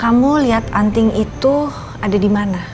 kamu lihat anting itu ada dimana